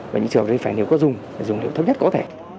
và những trường hợp đấy phải nếu có dùng phải dùng nếu thấp nhất có thể